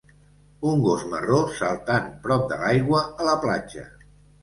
Un gos marró saltant prop de l'aigua a la platja.